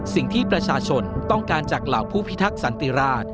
สิ่งที่ประชาชนต้องการจากเหล่าผู้พิทักษันติราช